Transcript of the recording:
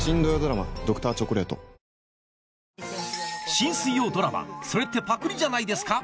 新水曜ドラマ『それってパクリじゃないですか？』